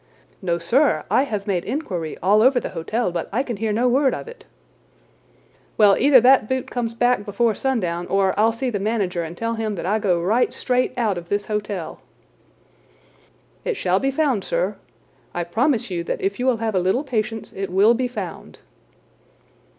"No, sir; I have made inquiry all over the hotel, but I can hear no word of it." "Well, either that boot comes back before sundown or I'll see the manager and tell him that I go right straight out of this hotel." "It shall be found, sir—I promise you that if you will have a little patience it will be found."